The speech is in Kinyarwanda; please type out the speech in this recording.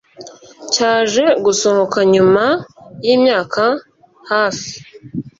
cyaje gusohoka nyuma y’imyaka hafi